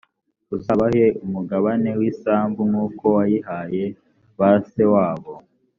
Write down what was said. uzabahe umugabane w’isambu nk’uko wayihaye ba se wabo,